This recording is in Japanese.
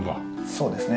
そうですね。